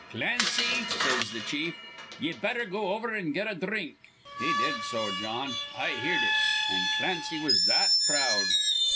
'Clancy,' says th' chief, 'ye betther go over an' get a dhrink.' He did so, Jawn. I heerd it. An' Clancy was that proud!